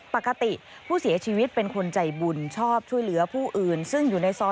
ปกติผู้เสียชีวิตเป็นคนใจบุญชอบช่วยเหลือผู้อื่น